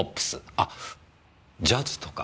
あジャズとか？